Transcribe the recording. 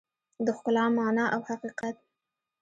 د ښکلا مانا او حقیقت